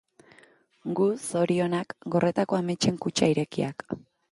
Gu zorionak, gordetako ametsen kutxa irekiak.